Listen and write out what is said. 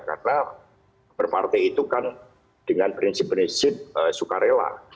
karena berparti itu kan dengan prinsip prinsip sukarela